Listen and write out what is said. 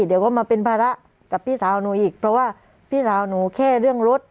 เดี๋ยวก็มาเป็นภาระกับพี่สาวหนูอีกเพราะว่าพี่สาวหนูแค่เรื่องรถ